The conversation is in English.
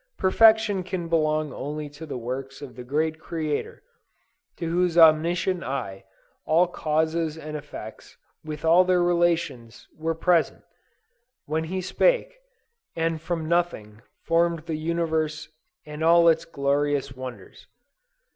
Perfection can belong only to the works of the great Creator, to whose Omniscient eye, all causes and effects with all their relations, were present, when he spake, and from nothing formed the universe and all its glorious wonders.